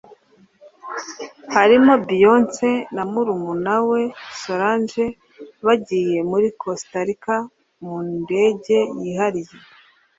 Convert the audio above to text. harimo Beyoncé na murumuna we Solange bagiye muri Costa Rica mu ndege yihariye